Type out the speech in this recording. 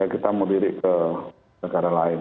kita membeli ke negara lain